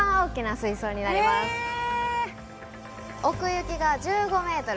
奥行きが１５ｍ。